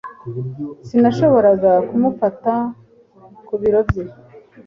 Sinashoboraga kumufata ku biro bye.